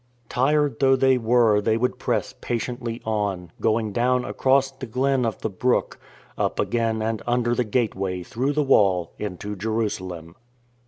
Tired though they were they would press patiently on, going down across the glen of the brook, up again and under the gateway through the wall into Jerusalem.